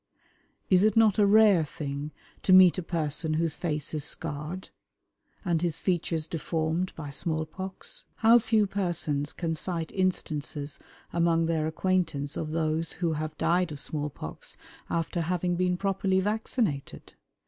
Is it not a rare thing to meet a person whose face is scarred and his features deformed by small pox? How few persons can cite instances among their acquaintance of those who have died of small pox after having been properly vaccinated?